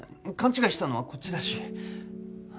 勘違いしたのはこっちだし。